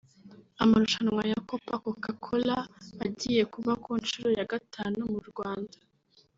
Amarushanwa ya Copa Coca Cola agiye kuba ku nshuro ya gatanu mu Rwanda